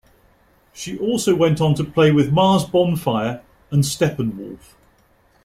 She also went on to play with Mars Bonfire and Steppenwolf.